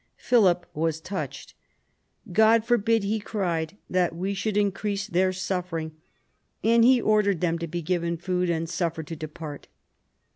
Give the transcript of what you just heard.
Philip was touched. " God forbid/' he cried, " that we should increase their suffering," and he ordered them to be given food and suffered to depart.